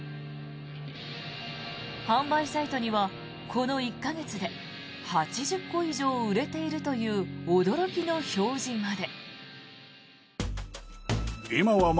販売サイトには、この１か月で８０個以上売れているという驚きの表示まで。